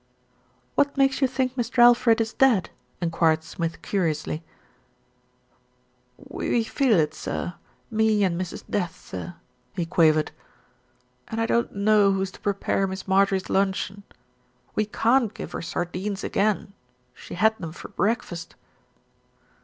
"What makes you think Mr. Alfred is dead?" en quired Smith curiously. ERIC PRONOUNCES IT SPIF 339 "We feel it, sir, me and Mrs. Death, sir," he quavered, "and I don't know who's to prepare Miss Marjorie's luncheon. We can't give her sardines again, she had them for breakfast."